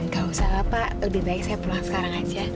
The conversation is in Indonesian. gak usah lah pak lebih baik saya pulang sekarang aja